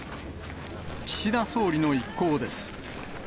岸田総理の一行です。